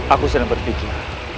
aku sedang berpikir